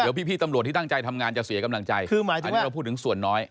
เดี๋ยวพี่ตำรวจที่ตั้งใจทำงานจะเสียกำลังใจคือหมายถึงอันนี้เราพูดถึงส่วนน้อย